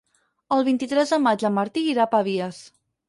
El vint-i-tres de maig en Martí irà a Pavies.